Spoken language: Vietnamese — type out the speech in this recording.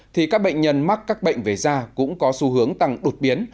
thì các bệnh nhân mắc các bệnh về da cũng có xu hướng tăng đột biến